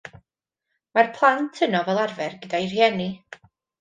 Mae'r plant yno fel arfer gyda'u rhieni.